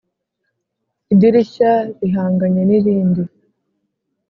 idirishya rihanganye n’irindi